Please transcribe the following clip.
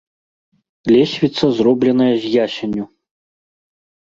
Лесвіца зробленая з ясеню.